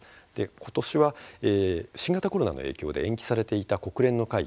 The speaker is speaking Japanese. ことしは新型コロナの影響で延期されていた国連の会議